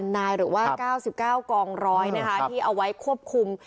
๑๔๐๐๐นายหรือว่า๙๙กองร้อยที่เอาไว้ควบคุม